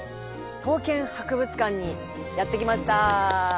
刀剣博物館にやって来ました。